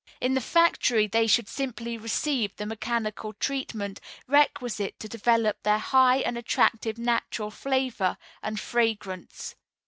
In the factory they should simply receive the mechanical treatment requisite to develop their high and attractive natural flavor and fragrance.